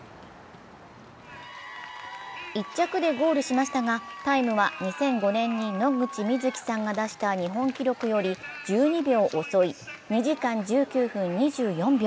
１着でゴールしましたが、タイムは２００５年に野口みずきさんが出した日本記録より１２秒遅い２時間１９分２４秒。